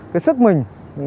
cái sức mình